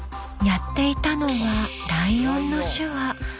やっていたのはライオンの手話。